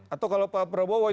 atau kalau pak prabowo